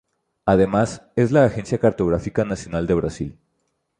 Además, es la agencia cartográfica nacional de Brasil.